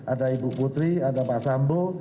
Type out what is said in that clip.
ada ibu putri ada pak sambo